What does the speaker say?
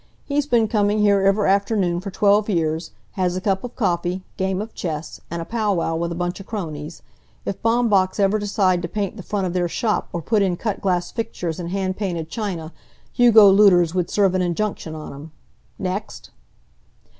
He's been coming here ever' afternoon for twelve years, has a cup of coffee, game of chess, and a pow wow with a bunch of cronies. If Baumbach's ever decide to paint the front of their shop or put in cut glass fixtures and handpainted china, Hugo Luders would serve an injunction on 'em. Next!"